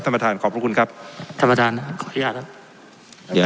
ท่านประธานขอบพระคุณครับท่านประธานขออนุญาตครับเดี๋ยว